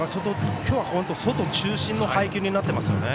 今日は本当、外中心の配球になっていますよね。